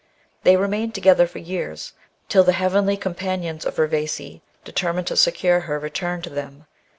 They remained together for years, till the heavenly com panions of UrvaQi determined to secure her return to them.